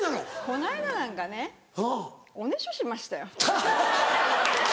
この間なんかねおねしょしましたよ。